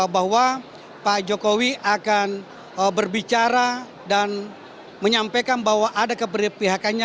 bahwa pak jokowi akan berbicara dan menyampaikan bahwa ada keberpihakannya